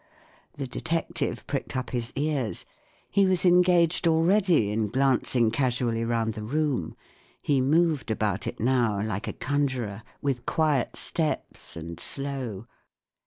The detective pricked up his ears. He was engaged already in glancing casually round the room. He moved about it now, like a conjurer, with quiet steps and slow.